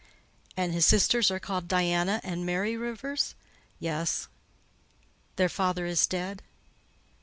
"And his sisters are called Diana and Mary Rivers?" "Yes." "Their father is dead?"